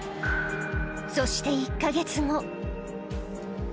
そして１か月後。